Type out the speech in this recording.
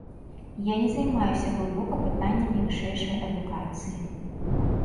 Я не займаюся глыбока пытаннямі вышэйшай адукацыі.